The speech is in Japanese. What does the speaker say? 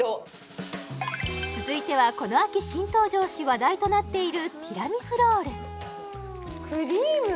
続いてはこの秋新登場し話題となっているティラミスロールクリーム